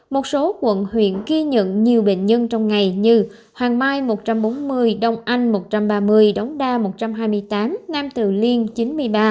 một số quận huyện ghi nhận nhiều bệnh nhân trong ngày như hoàng mai một trăm bốn mươi đông anh một trăm ba mươi đống đa một trăm hai mươi tám nam từ liêm chín mươi ba trường mỹ tám mươi bảy